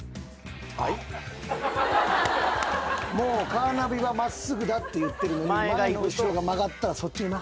カーナビが真っすぐだって言ってるのに前の人が曲がったらそっちに曲がっちゃう？